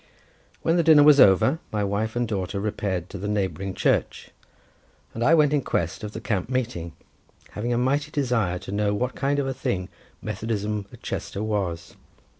When dinner was over, my wife and daughter repaired to a neighbouring church, and I went in quest of the camp meeting, having a mighty desire to know what kind of a thing Methodism at Chester was.